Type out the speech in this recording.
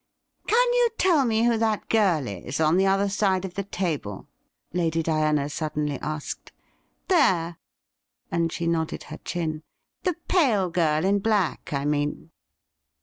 ' Can you tell me who that girl is on the other side of the table ?' Lady I )iana suddenly asked, ' there '— and she nodded her chin —' the pale girl in black, I mean.'